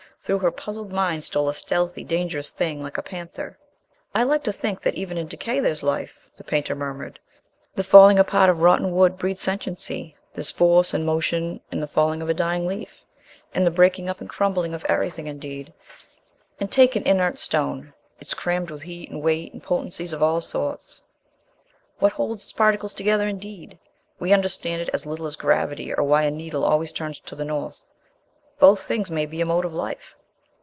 Through her puzzled mind stole a stealthy, dangerous thing ... like a panther. "I like to think that even in decay there's life," the painter murmured. "The falling apart of rotten wood breeds sentiency, there's force and motion in the falling of a dying leaf, in the breaking up and crumbling of everything indeed. And take an inert stone: it's crammed with heat and weight and potencies of all sorts. What holds its particles together indeed? We understand it as little as gravity or why a needle always turns to the 'North.' Both things may be a mode of life...."